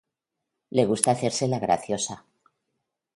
Le gusta hacerse la graciosa.